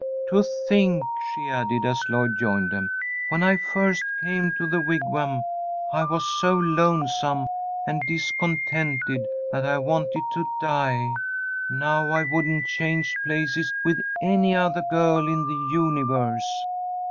"To think," she added, as Lloyd joined them, "when I first came to the Wigwam I was so lonesome and discontented that I wanted to die. Now I wouldn't change places with any other girl in the universe."